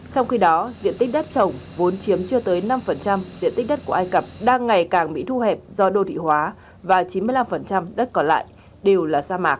trong khi đó diện tích đất trồng vốn chiếm chưa tới năm diện tích đất của ai cập đang ngày càng bị thu hẹp do đô thị hóa và chín mươi năm đất còn lại đều là sa mạc